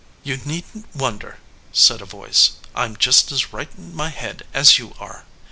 "You needn t wonder," said a voice. "I m just as right in my head as you are."